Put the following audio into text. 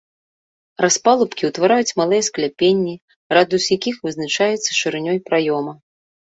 Распалубкі ўтвараюць малыя скляпенні, радыус якіх вызначаецца шырынёй праёма.